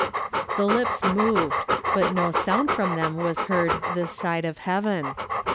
The lips moved, but no sound from them was heard this side heaven.